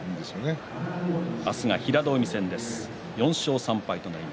錦富士、明日は平戸海戦です。